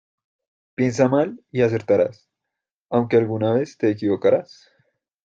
Piensa mal y acertarás, aunque alguna vez te equivocarás.